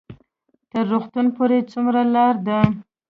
تر روغتون پورې څومره لار ده؟